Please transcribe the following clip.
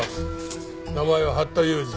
名前は八田勇二。